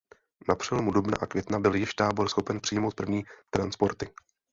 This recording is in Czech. Na přelomu dubna a května byl již tábor schopen přijmout první transporty.